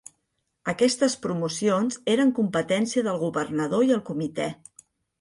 Aquestes promocions eren competència del Governador i el Comitè.